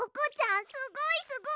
すごいすごい！